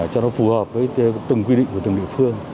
cho nó phù hợp với từng quy định của từng địa phương